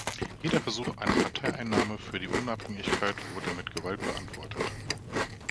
Jeder Versuch einer Parteinahme für die Unabhängigkeit wurde mit Gewalt beantwortet.